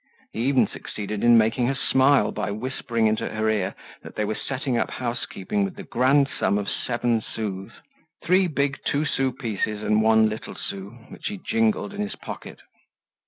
He even succeeded in making her smile by whispering into her ear that they were setting up housekeeping with the grand sum of seven sous, three big two sou pieces and one little sou, which he jingled in his pocket.